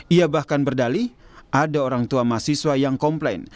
ia bahkan berdali ada orang tua mahasiswa yang komplain